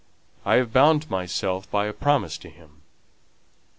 I have bound myself by a promise to him.